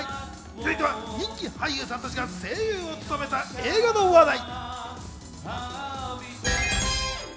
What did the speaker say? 続いては人気俳優さんたちが声優を務めた映画の話題。